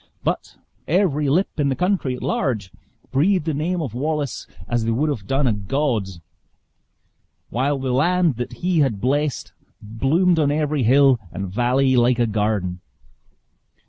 But every lip in the country at large breathed the name of Wallace, as they would have done a god's; while the land that he had blessed, bloomed on every hill and valley like a garden.